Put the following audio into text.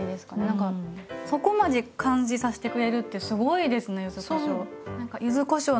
何かそこまで感じさせてくれるってすごいですね柚子こしょう。